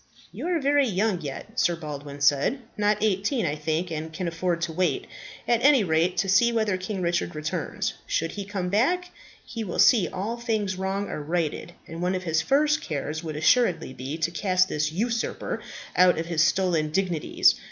"You are very young yet," Sir Baldwin said, "not eighteen, I think, and can afford to wait, at any rate, to see whether King Richard returns. Should he come back, he will see all these wrongs are righted; and one of his first cares would assuredly be to cast this usurper out of his stolen dignities.